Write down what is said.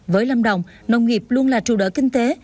với lâm đồng nông nghiệp luôn là trụ đỡ kinh tế